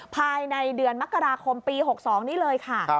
ภายในเดือนมกราคมปี๖๒นี้เลยค่ะ